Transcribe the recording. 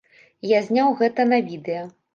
Я зняў гэта на відэа.